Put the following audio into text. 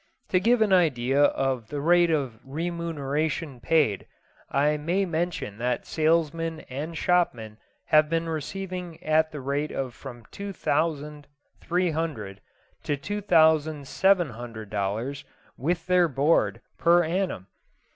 To give an idea of the rate of remuneration paid, I may mention that salesmen and shopmen have been receiving at the rate of from two thousand three hundred to two thousand seven hundred dollars, with their board, per annum.